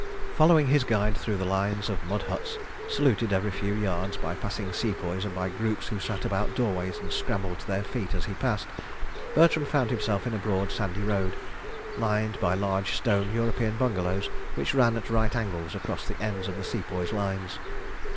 Following his guide through the lines of mud huts, saluted every few yards by passing Sepoys and by groups who sat about doorways and scrambled to their feet as he passed, Bertram found himself in a broad sandy road, lined by large stone European bungalows, which ran at right angles across the ends of the Sepoys' lines.